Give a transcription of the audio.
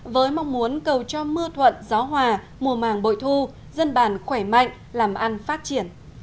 với mong muốn cầu cho mưa thuận gió hòa mùa màng bội thu dân bàn khỏe mạnh làm ăn phát triển